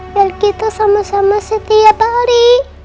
dan kita sama sama setiap hari